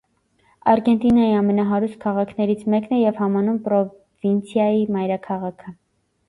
Արգենտինայի ամենահարուստ քաղաքներից մեկն է և համանուն պրովինցիայի մայրաքաղաքը։